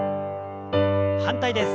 反対です。